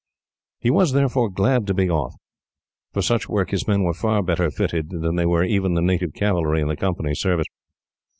He was, therefore, glad to be off. For such work, his men were far better fitted than were even the native cavalry in the Company's service.